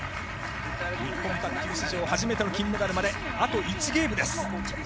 日本卓球史上、初めての金メダルまで、あと１ゲームです。